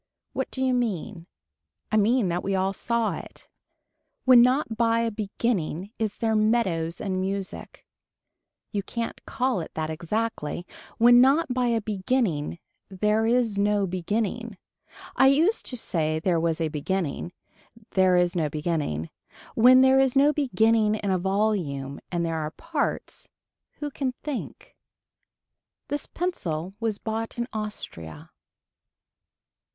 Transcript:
What do you mean. I mean that we all saw it. When not by a beginning is there meadows and music, you can't call it that exactly, when not by a beginning, there is no beginning, I used to say there was a beginning, there is no beginning, when there is no beginning in a volume and there are parts, who can think. This pencil was bought in Austria.